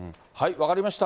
分かりました。